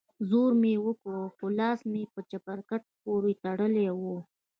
زور مې وکړ خو لاس مې په چپرکټ پورې تړلى و.